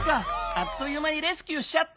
あっというまにレスキューしちゃった。